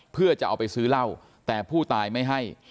เพื่อจะเอาไปซื้อเหล้าแต่ผู้ตายไม่ให้